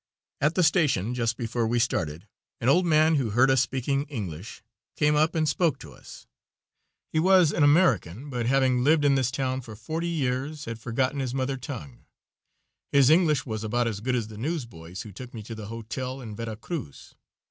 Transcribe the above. At the station, just before we started, an old man who had heard us speaking English, came up and spoke to us. He was an American, but having lived in this town for forty years had forgotten his mother tongue. His English was about as good as the newsboy's who took me to his hotel in Vera Cruz.